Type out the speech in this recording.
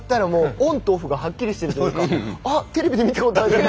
オンとオフがはっきりしているというかテレビで見たって。